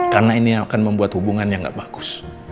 karena ini akan membuat hubungan yang gak bagus